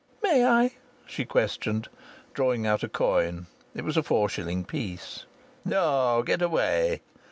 "May I?" she questioned, drawing out a coin. It was a four shilling piece. "No. Get away."